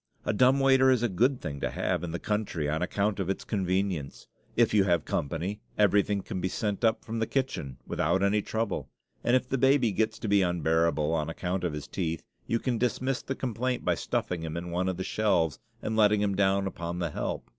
A dumb waiter is a good thing to have in the country, on account of its convenience. If you have company, everything can be sent up from the kitchen without any trouble; and if the baby gets to be unbearable, on account of his teeth, you can dismiss the complainant by stuffing him in one of the shelves and letting him down upon the help.